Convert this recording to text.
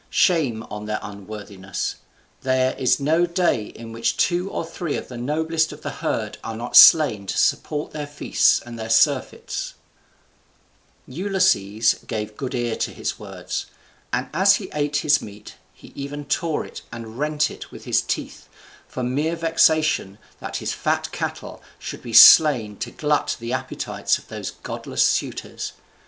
Shame on their unworthiness! there is no day in which two or three of the noblest of the herd are not slain to support their feasts and their surfeits." [Illustration: 'But such as your fare is, eat it, and be welcome.'] Ulysses gave good ear to his words; and as he ate his meat, he even tore it and rent it with his teeth, for mere vexation that his fat cattle should be slain to glut the appetites of those godless suitors.